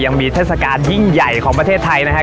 เทศกาลยิ่งใหญ่ของประเทศไทยนะครับ